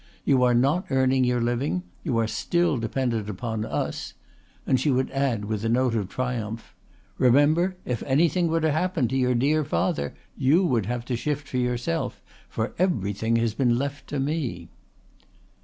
"You are not earning your living. You are still dependent upon us;" and she would add with a note of triumph: "Remember, if anything were to happen to your dear father you would have to shift for yourself, for everything has been left to me."